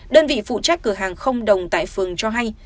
đơn vị phụ trách cửa hàng không đồng tại phường cho hay